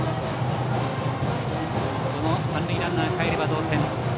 三塁ランナーかえれば同点。